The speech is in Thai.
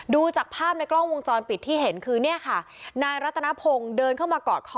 ดูจากภาพในกล้องวงจรปิดที่เห็นคือเนี่ยค่ะนายรัตนพงศ์เดินเข้ามากอดคอ